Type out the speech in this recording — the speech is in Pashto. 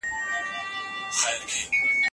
خدای به ستا څخه د مال په اړه پوښتنه وکړي.